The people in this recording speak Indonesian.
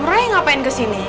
om ra yang ngapain kesini